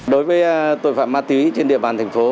đối với tội phạm ma túy trên địa bàn thành phố